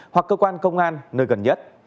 hoặc cơ quan công an nơi gần nhất